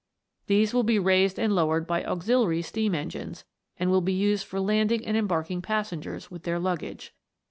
These will be raised and lowered by auxiliary steam engines, and will be used for landing and embarking passengers, with their lug gage.